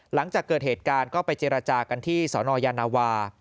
หลังจากเกิดเหตุการณ์ก็ไปเจรจากันที่สนยานาวา